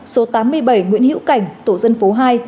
số tám mươi bảy nguyễn hữu cảnh tổ dân phố hai